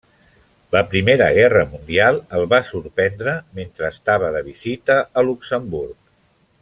La Primera Guerra Mundial ho va sorprendre mentre estava de visita a Luxemburg.